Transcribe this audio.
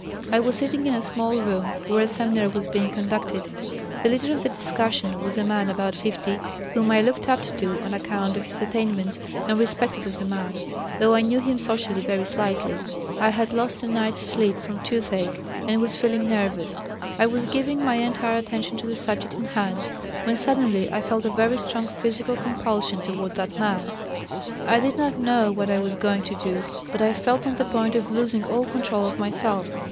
I was sitting in a small room where a seminar was being conducted. The leader of the discussion was a man about 50, whom I looked up to on account of his attainments and respected as a man, though I knew him socially very slightly. I had lost a night's sleep from toothache and was feeling nervous. I was giving my entire attention to the subject in hand, when suddenly I felt a very strong physical compulsion toward that man. I did not know what I was going to do, but I felt on the point of losing all control of myself.